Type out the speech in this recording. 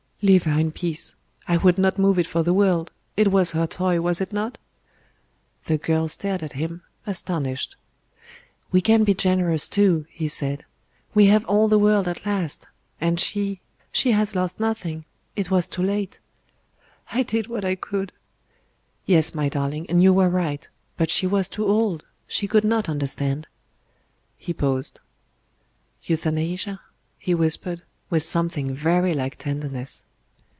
"Leave her in peace. I would not move it for the world: it was her toy, was it not?" The girl stared at him, astonished. "We can be generous, too," he said. "We have all the world at last. And she she has lost nothing: it was too late." "I did what I could." "Yes, my darling, and you were right. But she was too old; she could not understand." He paused. "Euthanasia?" he whispered with something very like tenderness.